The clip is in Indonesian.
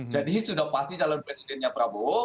jadi sudah pasti calon presidennya prabowo